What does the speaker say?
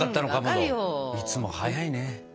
いつも早いね。